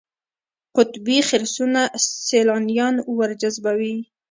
قطبي خرسونه سیلانیان ورجذبوي.